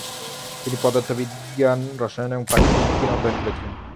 তিনি পদার্থবিজ্ঞান, রসায়ন, এবং প্রাকৃতিক বিজ্ঞান নিয়ে অধ্যয়ন করেছিলেন।